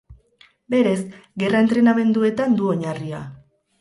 Berez gerra entrenamenduetan du oinarria.